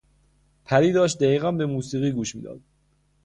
پری داشت دقیقا به موسیقی گوش میداد.